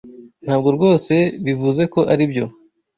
Ntabwo rwose bivuze ko aribyo?